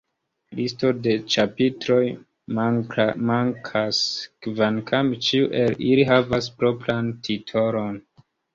Listo de ĉapitroj mankas, kvankam ĉiu el ili havas propran titolon.